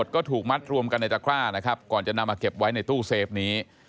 ก็ถูกมัดรวมกันในตะกร้านะครับก่อนจะนำมาเก็บไว้ในตู้เซฟนี้